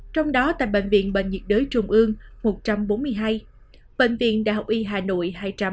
trong đó tại bệnh viện bệnh nhiệt đới trung ương một trăm bốn mươi hai bệnh viện đại học y hà nội hai trăm hai mươi ba